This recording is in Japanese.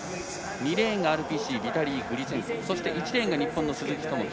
２レーンはＲＰＣビタリー・グリツェンコ１レーンが日本の鈴木朋樹